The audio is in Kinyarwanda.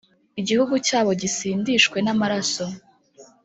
igihugu cyabo gisindishwe n’amaraso,